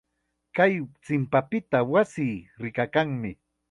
Kay chimpapita wasii rikakanmi.